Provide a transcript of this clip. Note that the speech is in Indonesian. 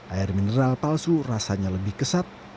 air mineral palsu rasanya lebih kesat